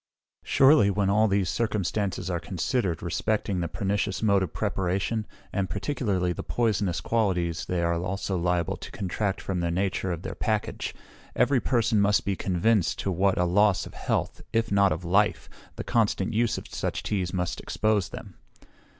Surely, when all these circumstances are considered respecting the pernicious mode of preparation, and particularly the poisonous qualities they are also liable to contract from the nature of their package, every person must be convinced to what a loss of health, if not of life, the constant use of such teas must expose them.